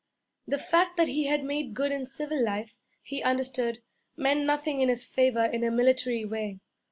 The fact that he had made good in civil life, he understood, meant nothing in his favor in a military way.